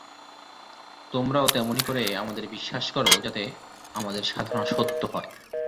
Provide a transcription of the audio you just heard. তোমরাও তেমনি করে আমাদের বিশ্বাস করো যাতে আমাদের সাধনা সত্য হয়।